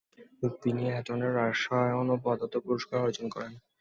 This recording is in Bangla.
তিনি এটনে রসায়ন এবং পদার্থ পুরস্কার অর্জন করেন।